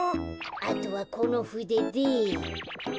あとはこのふでで。